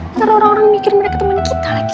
ntar orang orang mikirin mereka temen kita lagi